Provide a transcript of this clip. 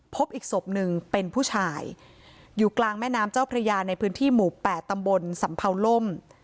พบอีกศพหนึ่งเป็นผู้ชายอยู่กลางแม่น้ำเจ้าพระยาในพื้นที่หมู่๘ตำบลสำเภาล่ม